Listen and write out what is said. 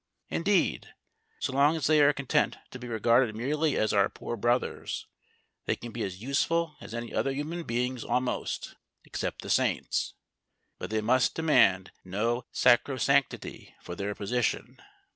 Indeed, so long as they are content to be regarded merely as our poor brothers, they can be as useful as any other human beings almost, except the saints. But they must demand no sacrosanctity for their position.